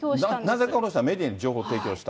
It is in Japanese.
なぜこの人はメディアに情報を提供した。